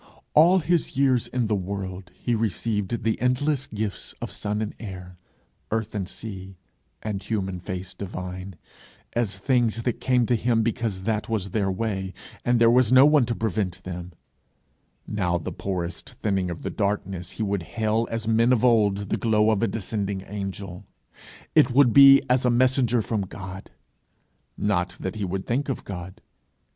All his years in the world he received the endless gifts of sun and air, earth and sea and human face divine, as things that came to him because that was their way, and there was no one to prevent them; now the poorest thinning of the darkness he would hail as men of old the glow of a descending angel; it would be as a messenger from God. Not that he would think of God!